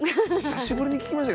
久しぶりに聞きました